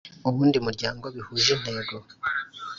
uwundi muryango bihuje intego